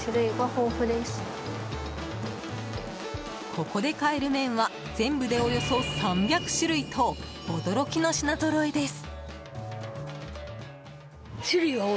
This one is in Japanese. ここで買える麺は全部でおよそ３００種類と驚きの品ぞろえです。